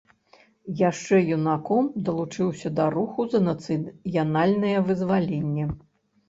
Яшчэ юнаком далучыўся да руху за нацыянальнае вызваленне.